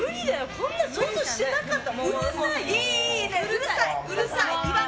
こんなの想像してなかった！